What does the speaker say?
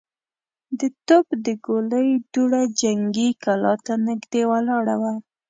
د توپ د ګولۍ دوړه جنګي کلا ته نږدې ولاړه وه.